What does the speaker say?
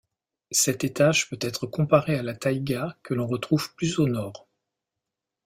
Cet étage peut être comparé à la taïga que l'on retrouve plus au nord.